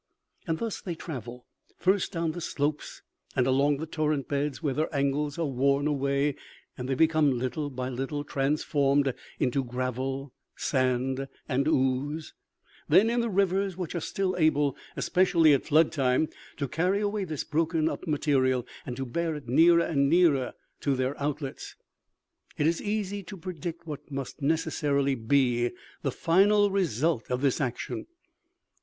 Thus they travel, first down the slopes and along the torrent beds, where their angles are worn away and they become little by little transformed into gravel, sand and ooze; then in the rivers which are still able, especially at flood times, to carry away this broken up material, and to bear it nearer and nearer to their outlets. "It is easy to predict what must necessarily be the final result of this action.